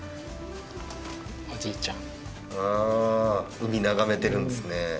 海眺めてるんですね。